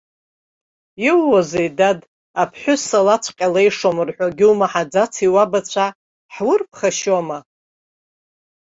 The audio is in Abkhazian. Иууазеи, дад, аԥҳәыс алаҵәҟьа леишуам рҳәогьы умаҳаӡаци уабацәа, ҳурԥхашьома!